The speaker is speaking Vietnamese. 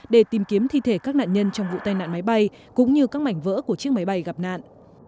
để tìm kiếm thi thể các nạn nhân trong vụ tai nạn máy bay cũng như các mảnh vỡ của chiếc máy bay gặp nạn